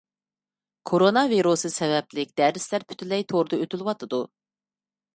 كورونا ۋىرۇسى سەۋەبلىك دەرسلەر پۈتۈنلەي توردا ئۆتۈلۈۋاتىدۇ.